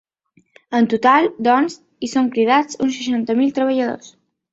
En total, doncs, hi són cridats uns seixanta mil treballadors.